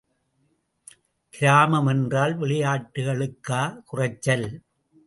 கிராமம் என்றால் விளையாட்டுகளுக்கா குறைச்சல்!